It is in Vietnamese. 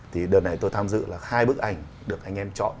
thì đợt này tôi tham dự là hai bức ảnh được anh em chọn